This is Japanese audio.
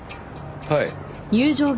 はい。